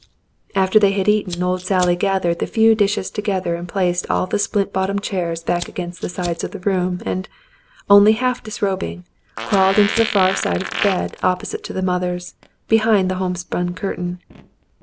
After they had eaten, old Sally gathered the few dishes together and placed all the splint bottomed chairs back against the sides of the room, and, only half disrobing, crawled into the far side of the bed opposite to the mother's, behind the homespun curtain.